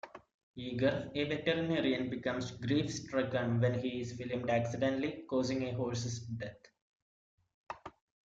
Yeager, a veterinarian, becomes grief-stricken when he is filmed accidentally causing a horse's death.